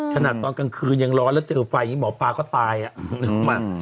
ขนาดตอนกลางคืนยังร้อนแล้วเจอไฟหมอปลาก็ตายอ่ะ